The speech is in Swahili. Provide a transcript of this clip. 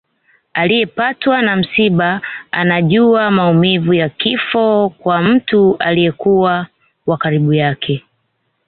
Aliyepatwa na msiba anajua maumivu ya kifo kwa mtu aliyekuwa wa karibu yake